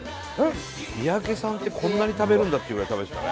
三宅さんってこんなに食べるんだっていうぐらい食べてたね。